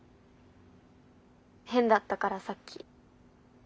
変だったからさっき。